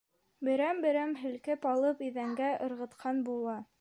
Берәм-берәм һелкеп алып иҙәнгә ырғытҡан була.